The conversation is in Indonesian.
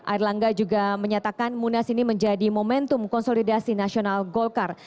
air langga juga menyatakan munas ini menjadi momentum konsolidasi nasional golkar